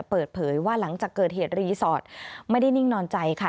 เปิดเผยว่าหลังจากเกิดเหตุรีสอร์ทไม่ได้นิ่งนอนใจค่ะ